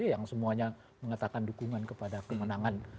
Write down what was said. yang semuanya mengatakan dukungan kepada kemenangan